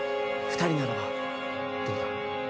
二人ならばどうだ？